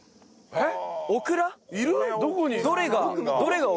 えっ？